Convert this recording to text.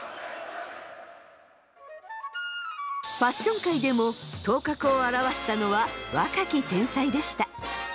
ファッション界でも頭角を現したのは若き天才でした。